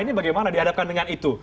ini bagaimana dihadapkan dengan itu